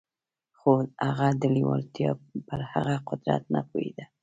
خو هغه د لېوالتیا پر هغه قدرت نه پوهېده.